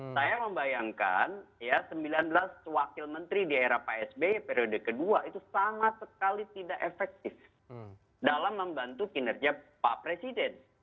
saya membayangkan sembilan belas wakil menteri di era pak sby periode kedua itu sangat sekali tidak efektif dalam membantu kinerja pak presiden